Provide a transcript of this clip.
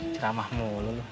ceramah mulu lo